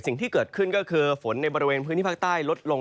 สิ่งที่เกิดขึ้นก็คือฝนในบริเวณพื้นที่ภาคใต้ลดลง